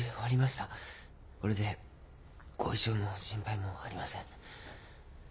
これで後遺症の心配もありません。